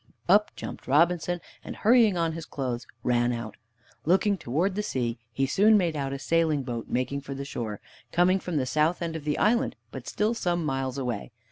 Up jumped Robinson, and hurrying on his clothes, ran out. Looking towards the sea, he soon made out a sailing boat making for the shore, coming from the south end of the island, but still some miles away.